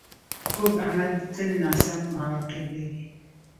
کوږ عمل تل ناسم عواقب لري